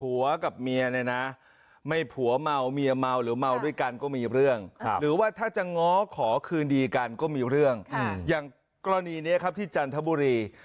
กับเมียเนี่ยนะไม่ผัวเมาเมียเมาหรือเมาด้วยกันก็มีเรื่องหรือว่าถ้าจะง้อขอคืนดีกันก็มีเรื่องอย่างกรณีนี้ครับที่จันทบุรี